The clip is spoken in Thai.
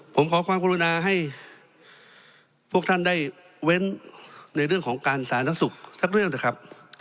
ผมขอความกรุณาให้พวกท่านได้เว้นในเรื่องของการสาธารณสุขสักเรื่องเถอะครับ